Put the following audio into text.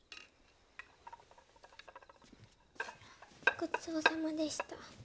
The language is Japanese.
ごちそうさまでした。